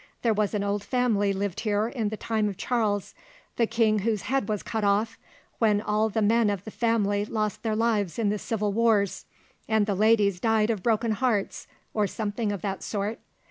There was an old family lived here in the time of Charles, the king whose head was cut off, when all the men of the family lost their lives in the Civil Wars, and the ladies died of broken hearts, or something of that sort.